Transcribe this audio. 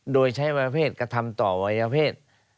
โดยใช้ประเภทกระทำต่อวัยเพศ